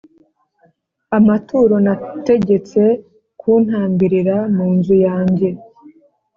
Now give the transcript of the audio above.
amaturo nategetse kuntambirira mu nzu yanjye